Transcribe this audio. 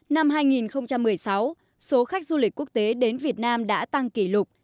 năm hai nghìn một mươi sáu số khách du lịch quốc tế đến việt nam đã tăng kỷ lục